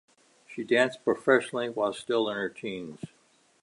She danced professionally while still in her teens.